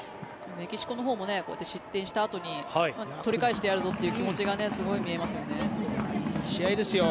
メキシコのほうも失点したあとに取り返してやるぞという気持ちがすごく見えますよね。